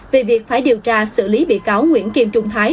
về việc phải điều tra xử lý bị cáo nguyễn kim trung thái